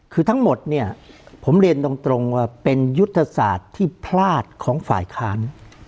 คือทั้งหมดเนี่ยผมเรียนตรงว่าเป็นยุทธศาสตร์ที่พลาดของฝ่ายค้าน